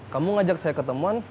kamu ngajak saya ke temuan